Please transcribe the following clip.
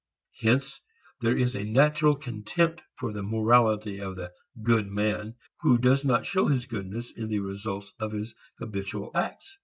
Hence there is a natural contempt for the morality of the "good" man who does not show his goodness in the results of his habitual acts.